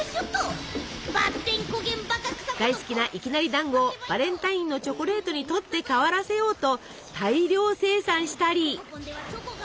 大好きないきなりだんごをバレンタインのチョコレートに取って代わらせようと大量生産したり。